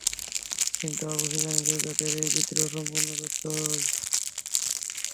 কিন্তু আবু সুফিয়ানের বিরুদ্ধে তাদের এই বিদ্রোহ সম্পূর্ণ ব্যর্থ হয়।